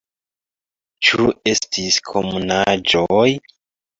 Ĉu estis komunaĵoj?